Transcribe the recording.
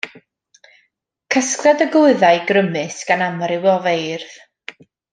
Casgliad o gywyddau grymus gan amryw o feirdd.